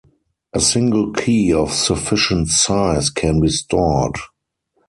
A single key of sufficient size can be stored.